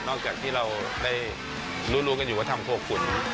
นอกจากที่เรารู้รู้กันอยู่ว่าทำโภคุณ